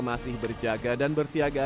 masih berjaga dan bersiaga